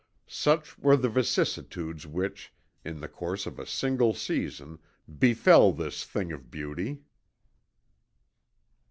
Such were the vicissitudes which, in the course of a single season, befel this thing of beauty.